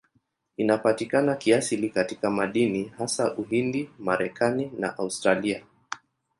Inapatikana kiasili katika madini, hasa Uhindi, Marekani na Australia.